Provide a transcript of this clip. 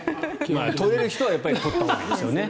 取れる人は取ったほうがいいですよね。